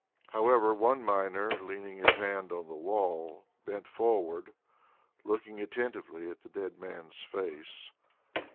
However, one miner, leaning his hand on the wall, bent forward, looking attentively at the dead man's face.